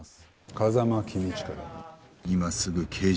風間公親だ。